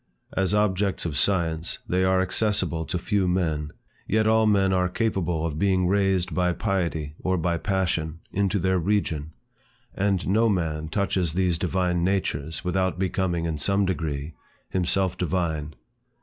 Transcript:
As objects of science, they are accessible to few men. Yet all men are capable of being raised by piety or by passion, into their region. And no man touches these divine natures, without becoming, in some degree, himself divine.